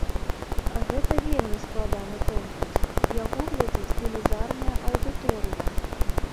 Гэта вельмі складаны конкурс, яго глядзіць велізарная аўдыторыя.